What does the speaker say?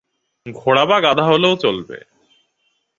ঘোড়া বা গাধা হলেও চলবে।